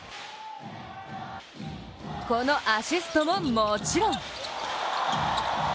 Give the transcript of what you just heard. このアシストももちろん。